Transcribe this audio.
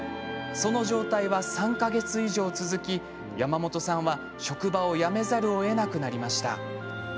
その状態は３か月以上続き山本さんは職場を辞めざるをえなくなりました。